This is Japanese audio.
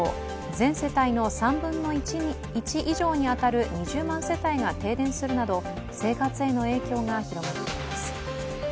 全世帯の３分の１以上に当たる２０万世帯が停電するなど、生活への影響が広がっています。